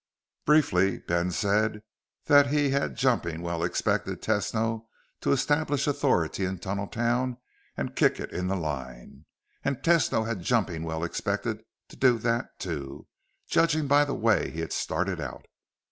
Briefly, Ben said that he had jumping well expected Tesno to establish authority in Tunneltown and kick it into line, and Tesno had jumping well expected to do that, too, judging by the way he had started out.